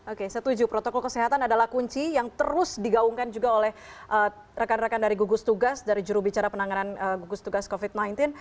oke setuju protokol kesehatan adalah kunci yang terus digaungkan juga oleh rekan rekan dari gugus tugas dari jurubicara penanganan gugus tugas covid sembilan belas